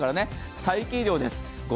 最軽量です。